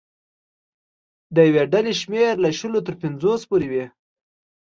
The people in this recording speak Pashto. د یوې ډلې شمېر له شلو تر پنځوسو پورې وي.